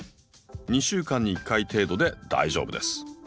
２週間に１回程度で大丈夫です。